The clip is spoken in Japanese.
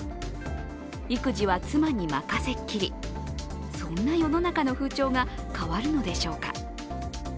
育児は妻に任せっきり、そんな世の中の風潮が変わるのでしょうか。